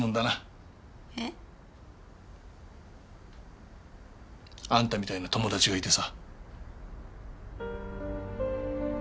えっ？あんたみたいな友達がいてさ。